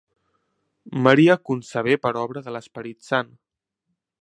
Maria concebé per obra de l'Esperit Sant.